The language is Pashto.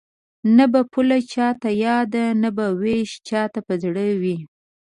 نه به پوله چاته یاده نه به وېش چاته په زړه وي